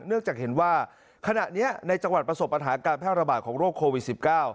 เนื่องจากเห็นว่าขณะนี้ในจังหวัดประสบปัญหาการแพร่ระบาดของโรคโควิด๑๙